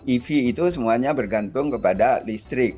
ev itu semuanya bergantung kepada listrik